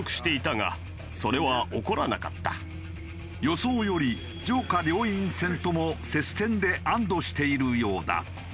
予想より上下両院選とも接戦で安堵しているようだ。